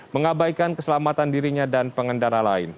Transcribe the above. mengabaikan keselamatan dirinya dan pengendara lain